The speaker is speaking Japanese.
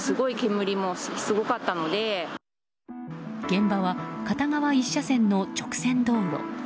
現場は片側１車線の直線道路。